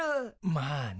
まあね。